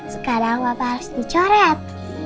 sekarang papa harus dicoret